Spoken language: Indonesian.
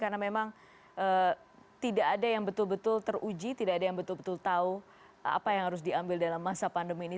karena memang tidak ada yang betul betul teruji tidak ada yang betul betul tahu apa yang harus diambil dalam masa pandemi ini